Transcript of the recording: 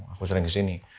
aku sering kesini